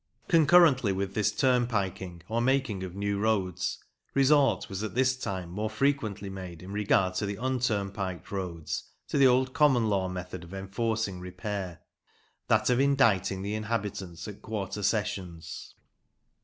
Concurrently with this turnpiking, or making of new roads, resort was at this time more frequently made in regard to the unturnpiked roads to the old common law method of enforcing repair that of indicting the inhabitants at Quarter Sessions.